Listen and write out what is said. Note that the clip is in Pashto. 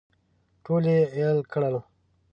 ټول یې اېل کړل.